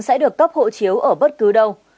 sẽ được cấp hộ chiếu ở bất cứ đâu